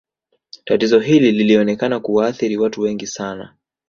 Tatizo hili lilionekana kuwaathiri watu wengi sana